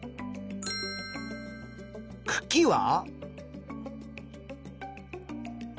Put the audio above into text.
くきは？